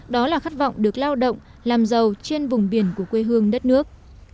đó là khát vọng được lao động làm giàu trên vùng biển của quê hương đất nước